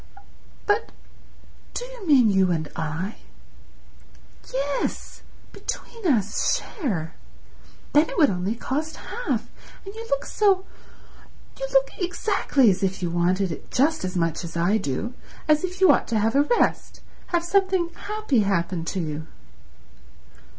"But—do you mean you and I?" "Yes. Between us. Share. Then it would only cost half, and you look so—you look exactly as if you wanted it just as much as I do—as if you ought to have a rest—have something happy happen to you."